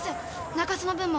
中津の分も。